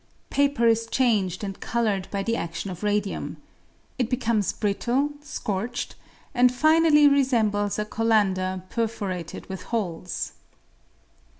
Paper is changed and coloured by the adion of radium. It becomes brittle, scorched, and, finally, resembles a colander perforated with holes.